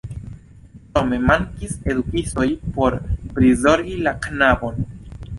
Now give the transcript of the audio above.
Krome mankis edukistoj por prizorgi la knabon.